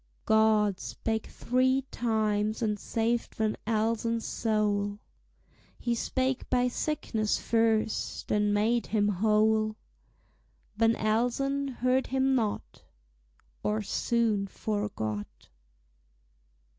God spake three times and saved Van Elsen's soul; He spake by sickness first and made him whole; Van Elsen heard him not, Or soon forgot.